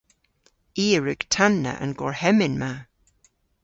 I a wrug tanna an gorhemmyn ma.